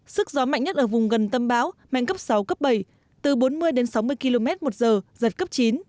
sức gió mạnh nhất ở vùng gần tâm bão mạnh cấp sáu cấp bảy từ bốn mươi đến sáu mươi km một giờ giật cấp chín